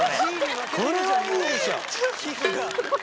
これはいいでしょ。